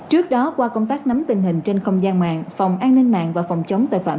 trước đó qua công tác nắm tình hình trên không gian mạng phòng an ninh mạng và phòng chống tội phạm